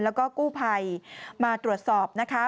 แล้วก็กู้ภัยมาตรวจสอบนะคะ